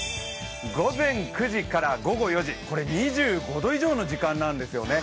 午前９時から午後４時、２５度以上の時間なんですね。